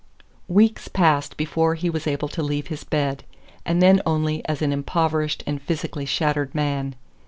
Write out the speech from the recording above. Weeks passed before he was able to leave his bed and then only as an impoverished and physically shattered man.